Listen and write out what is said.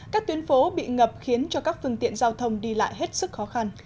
các tuyến phố bị ngập khiến cho các phương tiện giao thông đi lại hết sức khó khăn